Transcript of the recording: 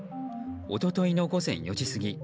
一昨日の午前４時過ぎ